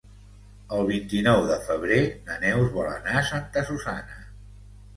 El vint-i-nou de febrer na Neus vol anar a Santa Susanna.